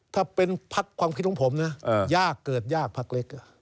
ถ้าเป็นพักความคิดของผมนะยากเกิดยากพักเล็ก